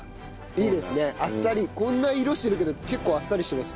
あっさりこんな色してるけど結構あっさりしてます。